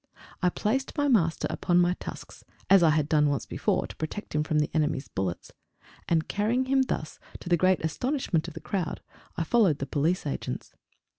I placed my Master upon my tusks, as I had done once before to protect him from the enemy's bullets, and carrying him thus, to the great astonishment of the crowd, I followed the police agents.